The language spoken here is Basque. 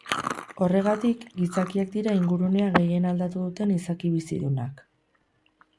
Horregatik, gizakiak dira ingurunea gehien aldatu duten izaki bizidunak.